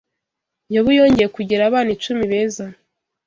Yobu yongeye kugira abana icumi beza